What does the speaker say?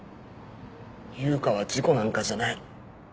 悠香は事故なんかじゃない。